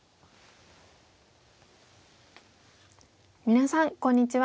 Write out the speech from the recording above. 皆さんこんにちは。